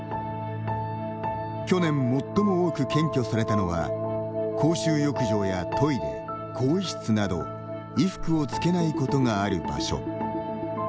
去年、最も多く検挙されたのは公衆浴場やトイレ、更衣室など「衣服をつけないことがある場所」。